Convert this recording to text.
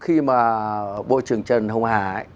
khi mà bộ trưởng trần hồng hà ấy